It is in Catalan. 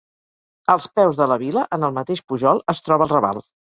Als peus de la Vila, en el mateix pujol, es troba el Raval.